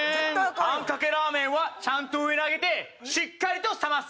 あんかけラーメンはちゃんと上に上げてしっかりと冷ます。